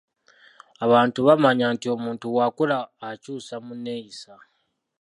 Abantu bamanya nti omuntu bw’akula akyusa mu nneeyisa.